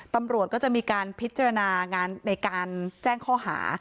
ตำรวจก็จะมีการพิจารณางานในการแจ้งข้อหา